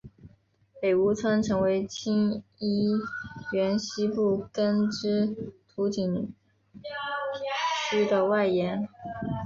北坞村成为清漪园西部耕织图景区的外延。